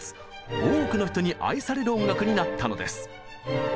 多くの人に愛される音楽になったのです。